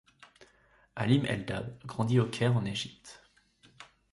Halim El-Dabh grandit au Caire en Égypte.